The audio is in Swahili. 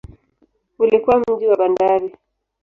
Ulikuwa mji wa bandari.